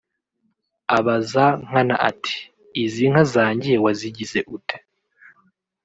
Abaza Nkana ati “Izi nka zanjye wazigize ute